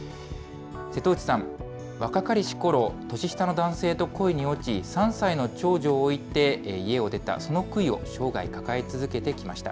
瀬戸内さん、若かりしころ、年下の男性と恋に落ち、３歳の長女を置いて家を出た、その悔いを生涯抱え続けてきました。